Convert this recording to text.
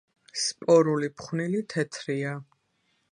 სპორული ფხვნილი თეთრია.